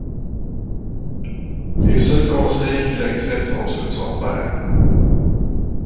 Les seuls conseils qu’il accepte sont ceux de son père.